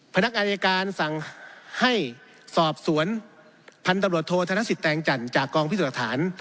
พนักอายการสั่งให้สอบศวนพันตำรวจโทษทางศิษย์แตงจันทร์จากกองพิจาธาน